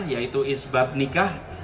yaitu isbat nikah